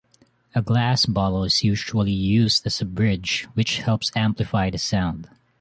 A glass bottle is usually used as the bridge, which helps amplify the sound.